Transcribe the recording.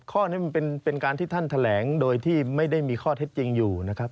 ข้อนี้มันเป็นการที่ท่านแถลงโดยที่ไม่ได้มีข้อเท็จจริงอยู่นะครับ